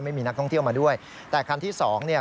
ไม่มีนักท่องเที่ยวมาด้วยแต่คันที่สองเนี่ย